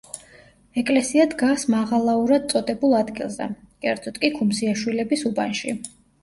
ეკლესია დგას მაღალაურად წოდებულ ადგილზე, კერძოდ კი, ქუმსიაშვილების უბანში.